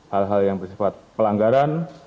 hal hal yang bersifat pelanggaran